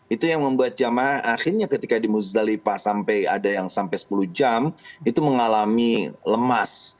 itu yang membuat jemaah akhirnya ketika di muzdalifah sampai ada yang sampai sepuluh jam itu mengalami lemas